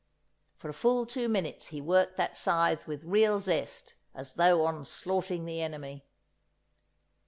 '" For a full two minutes he worked that scythe with real zest, as though onslaughting the enemy.